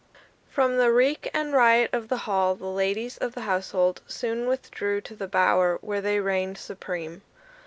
From the reek and riot of the hall the ladies of the household soon withdrew to the bower, where they reigned supreme.